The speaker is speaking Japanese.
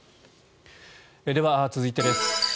では、続いてです。